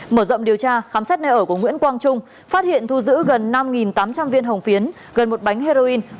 mở rộng điều tra khám xét nơi ở của nguyễn quang trung phát hiện thu giữ gần năm tám trăm linh viên hồng phiến gần một bánh heroin